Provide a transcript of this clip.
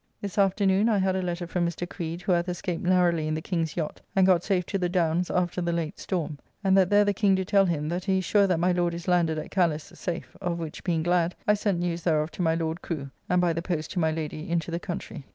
This afternoon I had a letter from Mr. Creed, who hath escaped narrowly in the King's yacht, and got safe to the Downs after the late storm; and that there the King do tell him, that he is sure that my Lord is landed at Callis safe, of which being glad, I sent news thereof to my Lord Crew, and by the post to my Lady into the country.